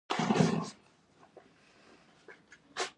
ګارلوک وویل چې اوس به مو مړه کړئ.